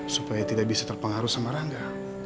supaya tidak bisa terpengaruh sama rangga